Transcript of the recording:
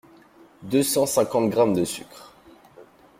deux cent cinquantes grammes de sucre